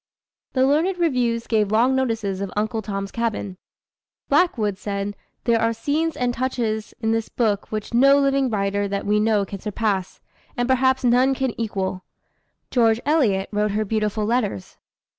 The learned reviews gave long notices of Uncle Tom's Cabin. Blackwood said, "There are scenes and touches in this book which no living writer that we know can surpass, and perhaps none can equal." George Eliot wrote her beautiful letters.